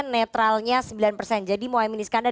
netralnya sembilan jadi moa emini skandar